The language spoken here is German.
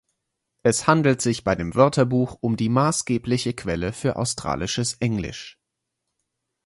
Es handelt sich bei dem Wörterbuch um die maßgebliche Quelle für australisches Englisch.